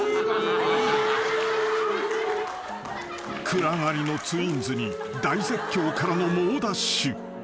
［暗がりのツインズに大絶叫からの猛ダッシュ］